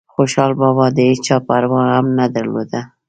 خوشحال بابا دهيچا پروا هم نه درلوده